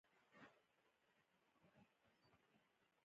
د افغانستان د اقتصادي پرمختګ لپاره پکار ده چې اردو ځواکمنه وي.